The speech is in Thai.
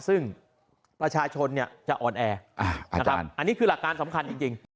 ซึ่งประชาชนจะอ่อนแอนะครับอันนี้คือหลักการสำคัญจริง